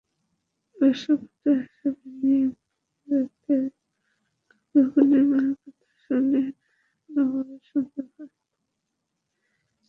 ব্যবসা করতে আসা বেনিয়া ইংরেজদের দুর্গ নির্মাণের কথা শুনে নবাবের সন্দেহ হয়।